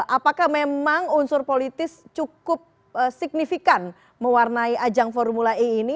apakah memang unsur politis cukup signifikan mewarnai ajang formula e ini